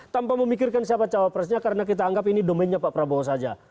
tanpa memikirkan siapa cawapresnya karena kita anggap ini domennya pak prabowo saja